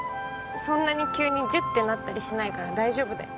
そんなに急にジュッてなったりしないから大丈夫だよ。